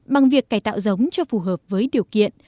bằng việc cải tạo giống cho phù hợp với điều kiện